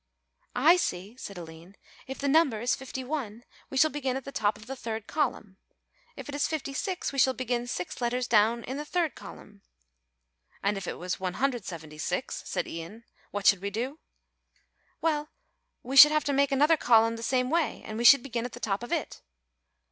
"I see," said Aline, "if the number is 51 we shall begin at the top of the third column; if it is 56 we shall begin 6 letters down the third column." "And if it was 176," said Ian, "what should we do?" "Well, we should have to make another column the same way and we should begin at the top of it."